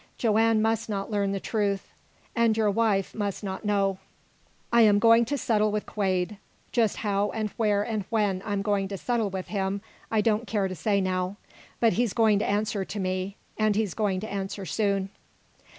Joanne must not learn the truth. And your wife must not know. I am going to settle with Quade. Just how and where and when I'm going to settle with him I don't care to say now. But he's going to answer to me. And he's going to answer soon."